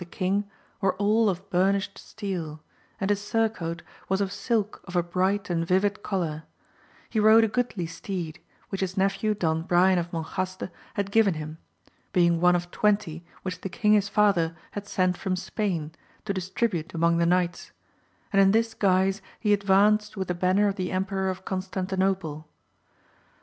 175 the king T\rel*e all of burnished steel ; and his sorcoat was of silk of a bright and vivid colour ; he rode a goodly steed, which his nephew Don Brian of Mon jaste had given him, being one of twenty which the king his father had sent from Spain, to distribute among the knights ; and in this guise he advanced with the banner of the Emperor of Constantinople.